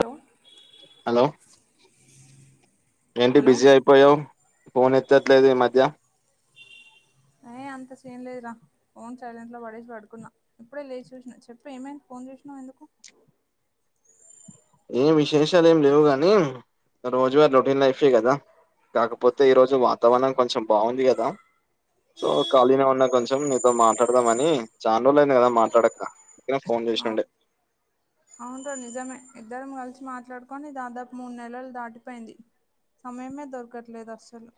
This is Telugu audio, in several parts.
హలో హలో ఏంటి హలో బిజీ అయిపోయావ్ ఫోన్ ఎత్తట్లేదు ఈ మధ్య ఏ అంత సీన్లేదురా ఫోన్ సైలెంట్ లో పడేసి పడుకున్నా ఇప్పుడే లేచూసిన చెప్పు ఏమైంది ఫోన్ చెసినావ్ ఎందుకు ఏం విశేషాలు ఏం లేవ్ గని రోజువారి రొటీన్ లైఫే కదా కాకపోతే ఈ రోజు వాతావరణం కొంచెం బాగుంది కదా సో ఖాళీనె ఉన్నా కొంచెం నీతో మాట్లాడదామని చాన్రోజులైంది కదా మాట్లాడక అందుకనే ఫోన్ అ చేసినుండే అవున్రా నిజమే ఇద్దరం కలిసి మాట్లాడుకొని దాదాపు మూడు నెలలు దాటిపోయింది సమయమే దొరకట్లేదు అస్సలు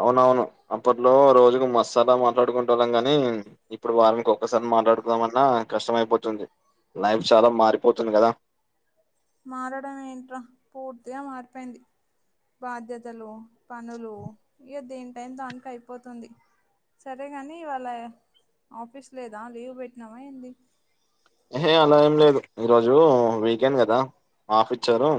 అవునవును అప్పట్లో రోజుకు మస్స్ల మాట్లాడుకుంటోల్లం గాని ఇప్పుడు వారనికి ఒక్కసారి మాట్లాడుకుందమన్నా కష్టమయిపోతుంది లైఫ్ చాలా మారిపోతుంది కదా మారడం ఏంట్రా పూర్తిగా మారిపోయింది బాధ్యతలు పనులు ఇగ దేని టైం దానికి అయిపోతుంది సరేగాని ఇవాళ ఆఫీస్ లేదా లీవ్ పెట్టినావ ఏంది ఎహె అలా ఏం లేదు ఈరోజు వీకెండ్ కదా ఆఫ్ ఇచ్చారు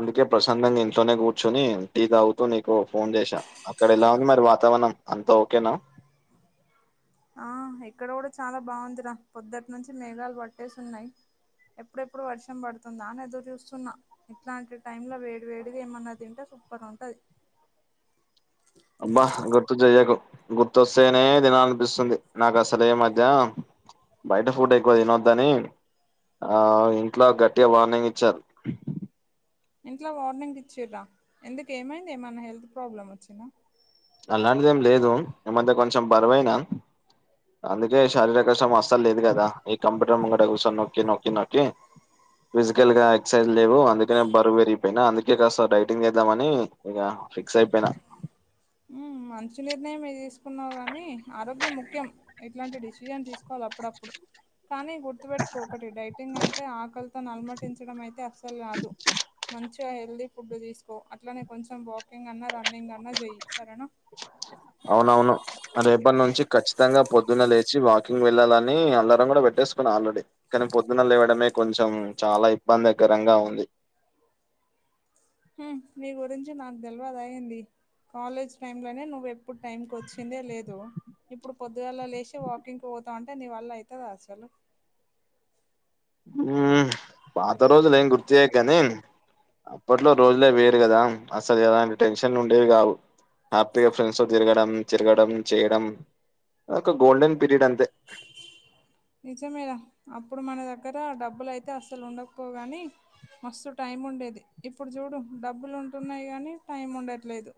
అందుకే ప్రషాందంగా ఇంట్లోనే కూర్చొని టీ తాగుతూ నీకు ఫోన్ చేసా అక్కడ ఎలా ఉంది మరి వాత వనం అంతా ఓకేనా ఆ ఇక్కడ కూడా చాలా బాగుందిరా పొద్దుటి నుంచి మేఘాలు పట్టేసి ఉన్నాయి ఎప్పుడెప్పుడు వర్షం పడుతుందా అని ఎదురు చూస్తున్నా ఇట్లాంటి టైమ్ ల వేడి వేడిది ఏమన్న తింటే సుప్పన్ ఉంటది అబ్బా గుర్తు చెయ్యకు గుర్తోస్తేనే దినలనిపిస్తుంది నాకు అసలే ఏ మధ్య బయట ఫుడ్ ఎక్కువ తినొద్దని ఆ ఇంట్లో గట్టిగా వార్నింగ్ ఇచ్చారు ఇంట్లో వార్నింగ్ ఇచ్చడ్రా ఎందుకు ఏమైంది ఏమైన్నా హెల్త్ ప్రాబ్లం వచ్చినా అలాంటిదేం లేదు ఈ మధ్య కొంచెం బరువైనా అందుకే శారీరక శ్రమ అస్సల్ లేదు కదా ఈ కంప్యూటర్ ముంగట కూసొని నొక్కి నొక్కి నొక్కి ఫిజికల్ గా ఎక్సర్సైజ్ లేవు అందుకనే బరువు పెరిగిపోయినా అందుకే కాస్త డైటింగ్ చేద్దామని ఇగ ఫిక్స్ అయిపోయినా ఉమ్ మంచి నిర్ణయమె తీసుకున్నావు గనీ ఆరోగ్యం ముఖ్యం ఇట్లాంటి డెసిజన్ తీసుకోవాలి అప్పుడప్పుడు కానీ గుర్తుపెట్టుకో ఒకటి డైటింగ్ అంటే ఆకలితోని అలమటించడం అయితే అస్సల్ కాదు మంచిగా హెల్దీ ఫుడ్ తీసుకో అట్లానే కొంచెం వాకింగ్ అన్నా రన్నింగ్ అన్నా చెయ్యి సరేనా అవునవును రేపటి నుంచి ఖచ్చితంగా పొద్దున్న లేచి వాకింగ్ వెళ్ళాలని అలారం కూడ [unintelligible] సుకున్న ఆల్రెడీ కానీ పొద్దున లేవడమే కొంచెం చాల ఇబ్బందికరంగా ఉంది నీ గురించి నాకు తెల్వద ఎంది కాలేజ్ టైమ్ లోనే నువ్వు ఎప్పుడు టైంకి వచ్చిందే లేదు ఇప్పుడు పొద్దుగాళ లేసి వాకింగ్ పో పోతా అంటే నీవల్ల అయితద అసలు ఉ పాత రోజుల ఏమి గుర్తుచేయకు గాని అప్పట్లో రోజులే వేరు కదా అసలు ఎలాంటి టెన్షన్ ఉండేవి కావు హ్యాపీగా ఫ్రెండ్స్ తో తిరగడం తిరగడం చేయడం ఒక గోల్డెన్ పీరియడ్ అంతే నిజమే ర అప్పుడు మన దగ్గర డబ్బులు అయితే అసలు ఉండకపోగాని మస్తు టైం ఉండేది ఇప్పుడు చూడు డబ్బులు ఉంటున్నాయి కానీ టైం ఉండట్లేదు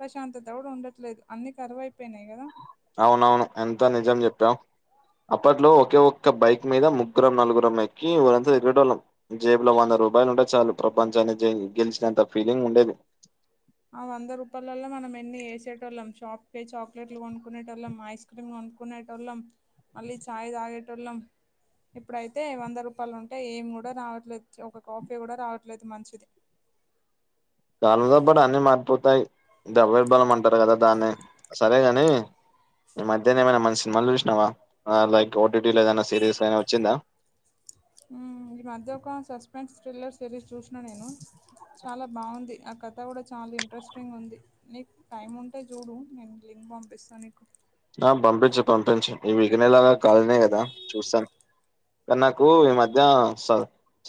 ప్రశాంతత కూడ ఉండట్లేదు అన్ని కరువయిపోయినాయి కదా అవునవును ఎంత నిజం చెప్పావు అప్పట్లో ఒకే ఒక్క బైక్ మీద ముగ్గురం నలుగురం ఎక్కి ఊరంతా తిరిగేటోల్లం జేబ్లో వంద రూపాయలు ఉంటే చాలు ప్రపంచాన్ని గెలిచినంత ఫీలింగ్ ఉండేది ఆ వంద రూపాయలలో మనం ఎన్ని చేసేటోల్లం షాప్ పే చాక్లెట్లు కొనుకునేటోల్లం ఐస్ క్రీమ్ కొ అనుకునేటోళ్ళం మళ్ళీ చాయ్ తాగేటోళ్ళం ఇప్పుడైతే వంద రూపాయలు ఉంటే ఏమి కూడ రావట్లేదు ఒక కాఫీ కూడ రావట్లేదు మంచి [unintelligible] అన్ని మారిపోతాయి [unintelligible] అవే బలం అంటారు కదా దాన్ని సరేగాని ఈ మధ్యనే ఏమైనా మంచి సినిమాలు చూసినావా లైక్ ఓటీటీలో గన ఏదన సిరీస్ వచ్చిందా ఈ మధ్య ఒక సస్పెన్స్ థ్రిల్లర్ సిరీస్ చూసిన నేను చాల బాగుంది ఆ కథ కూడ చాలా ఇంట్రెస్టింగ్ ఉంది నీకు టైమ్ ఉంటే చూడు నేను లి పంపిస్త నీకు ఆ పంపించు పంపించు ఇ వీక్ నేను కాలినే కదా చూస్త కన్నాకు ఈ మధ్య స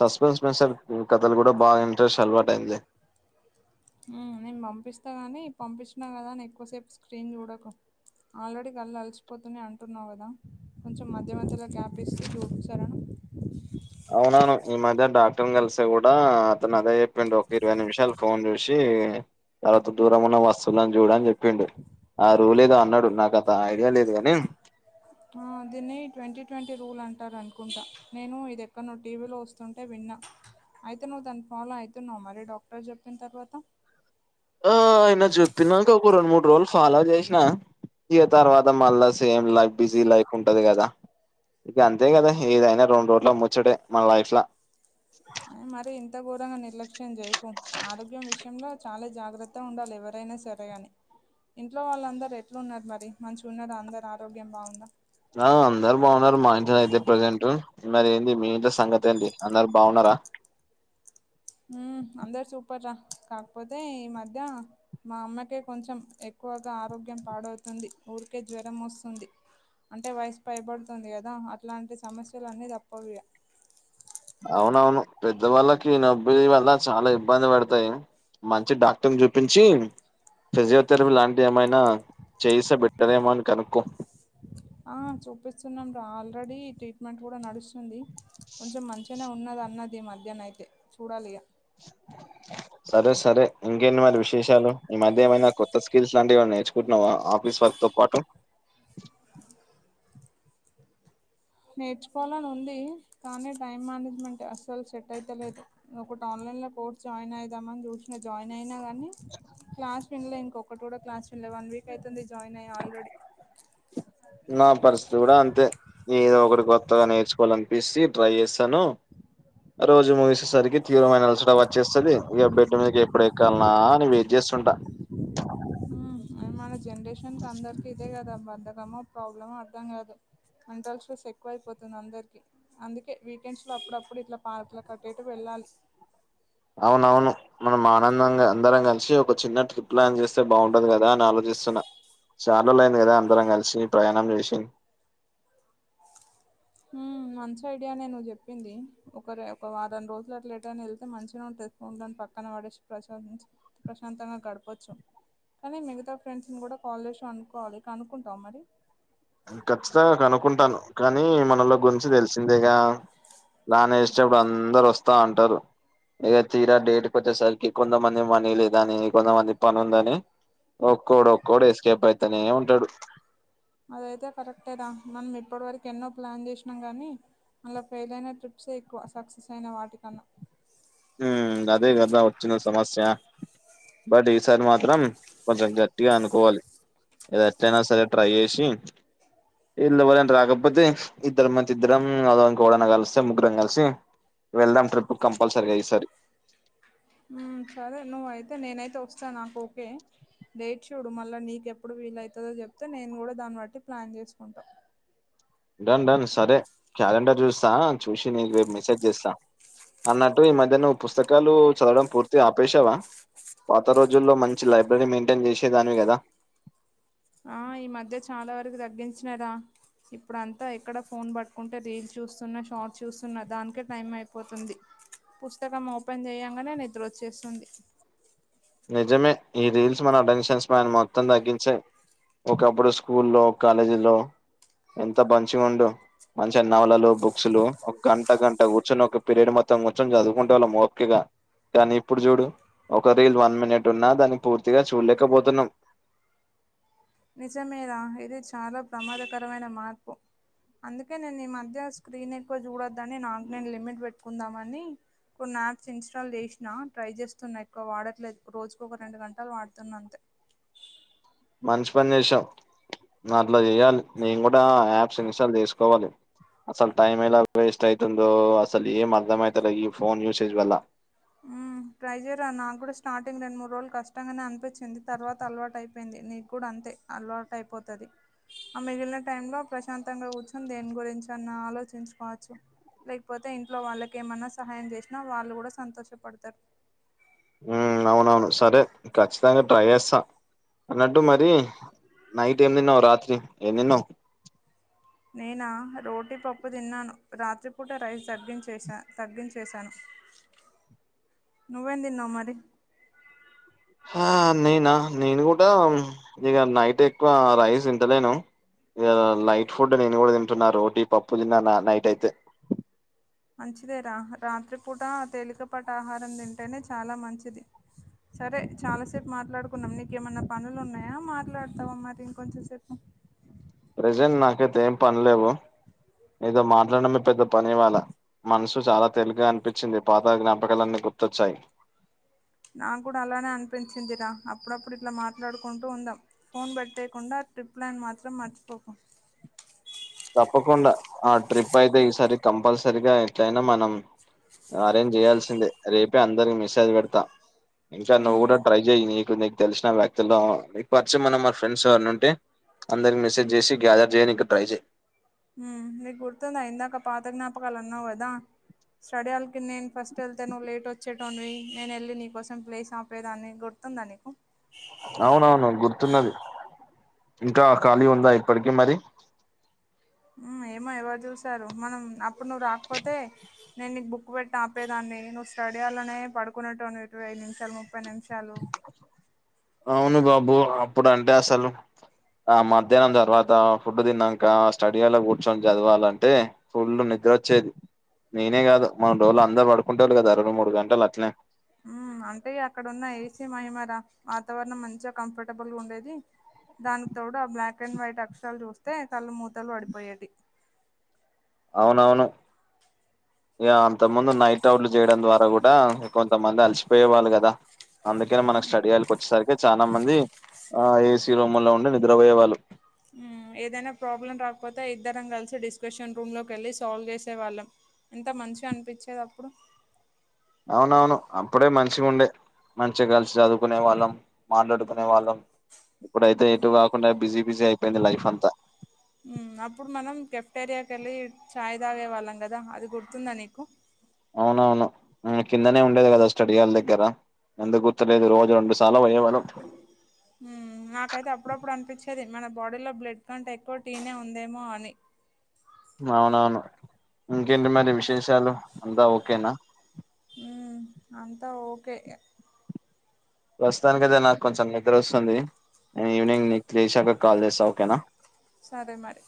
సస్పెన్స్ [unintelligible] కథలు కూడ బాగ ఇంట్రెస్ట్ చాల అలవాటైంది నేను పంపిస్తా కానీ పంపిస్తున కదా అని ఎక్కువసేపు స్క్రీన్ చూడకు ఆల్రెడీ కళ్ళు అలసిపోతునే అంటున్నావు కదా కొంచెం మధ్య మధలో గ్యాప్ ఇస్తూ చుడు ఒకే న అవునవను ఈ మధ్య డాక్టర్ కలిసే కూడ అతను అదే చెప్పిడు ఇరవై నిమిషాలు ఫోన్ జుసి [unintelligible] దూరం ఉన్న వస్తువులను చూడు అని చెప్పిండు ఆ రూలేదో అన్నాడు నాకంత ఐడియా లేదు గాని ఆ దీన్ని ట్వంటీ ట్వంటీ రూల్ అంటారనుకుంటా నేను ఇది ఎక్కన్నో టీవీలో వస్తుంటే వి అయితే నువ్వు దని ఫాలో అవుతున్నావ మరి డాక్టర్ జెప్పిన్ తర్వాత ఆ అయిన చెప్పినాక ఒక రెండు మూడు రోజుల్ ఫాలో చేసిన ఇగ తర్వాత మళ్ళా సేమ్ లైఫ్ బిజీ లైఫ్ ఉంటది గదా గంతే గదా ఏదైన రెండు రోజల ముచ్చటే మన లైఫ్ ల మరి ఇంతగోరంగ నిర్లక్ష్యం చేయకు ఆరోగ్యం విషయంలో చాలా జాగ్రత్త ఉండాలి ఎవరైనా సరే సరేగాని ఇంట్లో వాళ్ళందరు ఎట్టూన్నారు మరి మంచిగున్నార అందరు ఆరోగ్యం బాగుంద ఆ అందరు బాగున్నారు మా ఇంట్లనైతే ప్రజెంట్ మరి ఏంది మీ ఇంట్లో సంగతి ఏంది అందరు బాగున్నారా మ్మ్ అందరు సూపర్ రా కాకపోతే ఈ మధ్య మా అమ్మకే కొంచం ఎక్కువగా ఆరోగ్యం పాడవుతుంది. ఊరికే జ్వరం వస్తుంది. అంటే వయసు పైబడుతుంది కదా అట్లాంటి సమస్యలన్ని తప్పవు ఇగ. పెద్దవాల్లకి నొప్పి వల్లా చాలా ఇబ్బంది పడతయి. మంచి డాక్టర్ని చూపించీ ఫిజియోథెరపీ లాంటియి ఏమైనా చేయిస్తే బెట్టరేమో అని కనుక్కో. ఆ చూపిస్తున్నాం రా ఆల్రెడీ ట్రీట్మెంట్ కూడా నడుస్తుంది. కొంచెం మంచిగనే ఉన్న న్నది అన్నది మధ్యనైతే చూడాలిగా. సరేసరే ఇంకేంటి మరి విశేషాలు. ఈమధ్య ఏమైనా కొత్తస్కిల్స్ లాంటివి ఏమైనా నేర్చుకుంటున్నవా ఆఫి స్ వర్క్ తో పాటు. నేర్చుకోవాలని ఉంది. కానీ టైం మేనేజ్మెంట్ అస్సల్‌ సెట్ అయితలేదు. ఒకటి ఆన్లై న్లా కోర్స్ జాయిన్ అయిదామని చూశినా, జాయిన్ అయినా గా నీ క్లాస్ విన్లే ఇంకొకటిగూడ క్లాస్ విన్లే. వన్ వీక్ అయితుంది జాయిన్అయి ఆల్రెడీ. నా పరిస్థితి కూడా అంతే ఏదో ఒకటి కొత్తగా నేర్చుకోవాలనిపిసి ట్రై చేస్తాను రోజు ముగిసేసరికి తీవ్రమైన అలసట వచ్చేస్తది. ఇగ బెడ్ మీదకి ఎప్పుడెక్కాల్నా అని వెయిట్ చేస్తుంటా. మన జనరేషన్కి అందరికి ఇదే గదా. బద్దకమో, ప్రాబ్లమో అర్ధం కాదు. మెంటల్స్ట్రెస్ ఎక్కువైపోతుంది అందరికి, అందుకే వీకెండ్స్ లో అప్పుడప్పుడు ఇట్లా పార్క్ల అటుఇటు వెళ్ళాలి. అవునవును మనం ఆనందంగా అందరం కలిసి ఒకచిన్న ట్రిప్ ప్లాన్ చేస్ స్తే‌ బావుంటది కదా అని ఆలోచిస్తున్నా. చాల్రో‌లుఅయింది కదా అందరం కలిశి, ప్రయాణం చేశి. హు మంచి ఐడియానే నువ్వుచెప్పింది. ఒకరొ ఒకవారం రోజులు అట్ల ఎటన్నా ఎళ్తే మంచిగనే ఉంటది. ఫోన్లన్నీ పక్కన పడేశి ప్రశాం ప్రశాంతంగా గడపచ్చు. కానీ మిగతా ఫ్రెండ్స్ని కూడా కాల్ చేశి కనుక్కోవాలి కనుక్కుంటవా మరి. ఖచ్చితం కనుకుంటాను. కానీ మనోల్ల గురించి తెలిసిందేగా. ప్లాన్ ఏస్టప్పుడు అందరు వస్తా అంటరు. ఇగ తీరా డేట్ కోచ్చేసరికి కొంతమంది మనీ లేదని, కొంతమంది పనుందని ఒక్కోడు ఒక్కోడు ఎస్కేప్ అయితనే ఉంటడు. అదైతే కరెక్టేరా. మనం ఇప్పటివరకు ఎన్నో ప్లాన్ చేశినం కానీ మళ్ళా ఫెయిల్ అయిన ట్రిప్సే ఎక్కువ సక్సెస్ అయిన వాటికన్నా. హ్ అదే గదా వచ్చిన సమస్యా. బట్ ఈసారి మాత్రం కొంచెం గట్టిగా అనుకోవాలి. ఇది ఎట్టెనా సరే ట్రై చేశి ఈల్లుఏవరైన రాకపోతే ఇద్దరం మంచి ఇద్దరం [unintelligible] ఇంకెవ్వడన్న కలిస్తే ముగ్గురం కలిసి వెళ్దాం ట్రిప్కి కంపల్సరీగా ఇసారి. సరే నువ్వైతే నేనైతే వస్తా నాకు ఓకే. డేట్ చూడు మళ్ళానీక్ ఎప్పుడు వీలైతదో చెప్తే నేనుకూడా దాన్నిబట్టి ప్లాన్ చేసుకుంటా. డన్ డన్ సరే క్యాలెండర్ చూస్తా చూశి నీకు రేపు మెసేజ్ చేస్తా. అన్నట్టు ఈమధ్య నువ్వు పుస్తకాలు చదవడం పూర్తిగా ఆపేశవా. పాత రోజుల్లో మంచి లైబ్రరీ మెయింటైన్ చేసేదానివి కదా. ఆ ఈమధ్య చాలా వరకు తగ్గించినరా. ఇప్పుడంతా ఎక్కడ ఫోన్ పట్టుకుంటే రీల్స్ చూస్తున్న, షార్ట్స్ చూస్తున్న దానికే టైంఅయిపోతుంది. పుస్తకం ఓపెన్ చేయంగనే నిదుర వచ్చేస్తుంది. నిజమే ఈ రీల్స్ మన అటెన్షన్ స్పాన్ మొత్తం తగ్గించినయి. ఒకప్పుడు స్కూల్లో, కాలేజీల్లో ఎంత మంచిగా ఉండు. మంచిగా నవలలు బుక్స్ లు ఒక గంట గంట కూర్చొని ఒక పీరియడ్ మొత్తం కూర్చొని చదువుకుంటే వాళ్ళం ఓపికగ కానీ ఇప్పుడు చూడు ఒక రీల్ వ వన్ మినిట్ ఉన్నా దాన్ని పూర్తిగా చూడలేకపోతున్నాం నిజమేరా ఇది చాలా ప్రమాదకరమైన మార్పు అందుకే నేను ఈ మధ్య స్క్రీన్ ఎక్కువ చూడొద్దని నాకు నేను లిమిట్ పెట్టుకుందామని కొన్ని యాప్స్ ఇన్స్టాల్ చేసినా ట్రై చేస్తున్నా ఎక్కువ వాడట్లేదు రోజుకు ఒక రెండు గంటలు వాడుతున్నా అంతే మంచి పని చేసావ్ అట్లా చేయాలి నేను కూడా యాప్స్ ఇన్స్టాల్ చేసుకోవాలి అసలు టైం ఎలా వేస్ట్ అయితుందో అసలు ఏం అర్ధం అయితలే ఈ ఫోన్ యూసేజ్ వల్ల మ్మ్ ట్రై చేయరా నాకు కూడా స్టార్టింగ్ రెండు మూడు రోజులు కష్టంగానే అనిపించింది తర్వాత అలవాటు అయిపోయింది నీకు కూడా అం తే అవటు అయిపోతది ఆ మిగిలిన టైం లో ప్రశాంతంగా కూర్చొని దేని గురించి అన్న ఆలో వచ్చింపవచ్చు లేకపోతే ఇంట్లో వాళ్ళకి ఏమైన్నా సహాయం చేసినా వాళ్ళు కూడా సంతోష ఎ పడుతారు హ్మ్ అవునువును సరే ఖచ్చితంగా ట్రై చేస్తా అన్నట్టు మరి నైట్ ఏం తిన్నావు రాత్రి ఏం తిన్నావ్ నేనా రోటీపప్పు తిన్నాను రాత్రిపూట రైస్ తగ్గిం చేశా తగ్గించేశాను నువ్వేం దీన్నావ్ మరి ఆ నేనా నేను కూడా ఇగ నైట్ ఎక్కువ రైస్ తింటలేను ఇగ లైట్ ఫుడ్ నేను కూడా తింటున్నా రోటీ పప్పు తిన్నా నైట్ అయితే మంచిదేరా రాత్రిపూట తేలికపాటి ఆహారం తింటేనే చాలా మంచిది సరే చాలా సేపు మాట్లాడుకున్నాం నీకేమన్నా పనులు ఉన్నాయా మాట్లాడతావా మరి ఇంకొంచం సేపు ప్రెజెంట్ నాకైతే ఏం పనిలేవు నీతో మాట్లాడమే పెద్ద పని ఇవాళ మనసు చాలా తెలిగ గా అనిపించింది పాత జ్ఞాపకాలన్ని గుతోచ్చాయ్ నా కూడా అలానే అనిపించిందిరా అప్పుడప్పుడు ఇట్లా మాట్లాడుకుంటూ ఉందాం ఫోన్ పేట్టేయకుండా ట్రిప్ ప్లాన్ మాత్రం మర్చిపోకు తప్పకుండా ఆ ట్రిప్ అయితే ఈసారి కంపల్సరీ ఎంతయినా మనం అరేంజ్ చేయాల్సిందే రేపే అందరికి మెసేజ్ పెడతా ఇంకా నువ్వు మ్మ్ కూడా ట్రై చెయ్య నీకు నీకు తెలిసిన వ్యక్తులో నీకు పరిచయం ఉన్న మా ఫ్రెండ్స్ ఎవరన్న ఉంటే అందరికి మెసేజ్ చేసి గ్యాదర్ చేయనికి ట్రై చెయ్ హ్మ్ నీకు గుర్తుందా ఇందాక పాత జ్ఞాపకాలు అన్నావు కదా స్టడీ హాల్ కి నేను ఫస్ట్ వెళ్తే నువ్వు లేట్ వచ్చేటోనివి నేను ఏళ్లి నీకోసం ప్లేస్ ఆపేదాన్ని గుర్ తుందా నీకు అవునువును గుర్తున్నది ఇంకా ఖాళీ ఉందా ఇప్పటికి మరి హ్మ్ ఏమో ఎవరు చూసారు మనం అప్పుడు నువ్వు రాకపోతే నేను నీకు బుక్ పెట్టి ఆపేదాన్ని నువ్వు స్టడీ హాల్ లోనే పడుకునేటోనివిటివి ఐదు నిమిషాలు ము ముపై నిమిషాలు అవును బాబు అప్పుడు అంటే అసలు ఆ మధ్యాహ్నం తర్వాత ఫుడ్ తిన్నాక స్టడీ హాల్లో కూర్చొని చదవాలంటే ఫుల్ ని నిద్రొచేది నేనే కాదు మనరోలు అందరు పడుకుంటాండ కదా రెండు మూడు గంటలు అట్లేనే హ్మ్ అంటే ఇ అక్కడ ఉన్న ఏసీ మహిమ రా వాతావరణం మంచిగా కంఫర్టబుల్గా ఉండేది దానికి తోడు ఆ బ్లాక్ అండ్ వైట్ అక్షరాలు జూస్తే కళ్ళు మూతలు వడిపోయేటి అవునవును ఇగ అంత ముందు నైట్ అవుట్లు చేయడం ద్వారా కూడా కొంతమంది అలసిపోయే వాళ్లు కదా అందుకనే మనకి స్టడీయాల్ కొచ్చసరికి తె చానా మంది ఆ ఏసి రూములో ఉండి నిద్రపోయే వాళ్ళు ఊ ఏదైనా ప్రాబ్లం రాకపోతే ఇద్దరం కలిసి డిస్కషన్ రూమ్ లోకి ఎళ్ళి సాల్వ్ జేసేవాళ్ళం ఎంత మంచిగనిపిచేది అప్పుడు అవునవును అప్పుడే మంచిగుండే మంచిగా గలిసి చదువుకునే వాళ్ళం మాట్లాడుకునే వాళ్ళం ఇప్పుడైతే ఎటు కాకుండా బిజీ బిజీ అయిపోయింది లైఫ్ అంతా ఊ అప్పుడు మనం కెప్టేరియాకెళ్ళి చాయ్ తాగేవాళ్ళం కదా అది గుర్తుందా నీకు అవునవును ఊ కిందనే ఉండేది కదా స్టడీ హాల్ దగ్గర ఎందుకు గుర్తులేదు రోజు రొండు సార్లు పోయేవాళ్ళం ఊ నాకైతే అప్పుడప్పుడు అనిపిచ్ చ్చది మన బాడీలో బ్లడ్ కంటే ఎక్కు టీనే ఉందేమో అని అవునవును ఇంకేంటి మరి విశేషాలు అంతా ఓకేనా ఊ అంతా ఓకే ప్రస్తుతానికి ఐతే నాకు కొంచెం నిద్రస్తుంది నేన్ ఈవినింగ్ నీక్ లేశాక కాల్ జెస్తా ఓకే నా సరే మరి